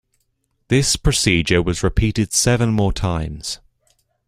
This procedure was repeated seven more times.